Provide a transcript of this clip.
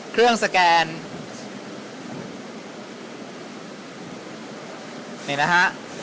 เครื่องสแกนนี่นะฮะ